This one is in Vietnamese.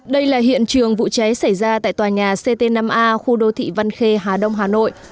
đây là hiện trường vụ cháy xảy ra tại tòa nhà ct năm a khu đô thị văn khe hà đông hà nội